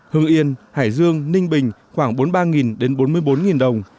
hương yên hải dương ninh bình khoảng bốn mươi ba đến bốn mươi bốn đồng